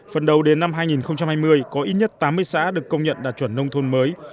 phần đầu đến năm hai nghìn hai mươi có ít nhất tám mươi xã được công nhận đạt chuẩn nông thôn mới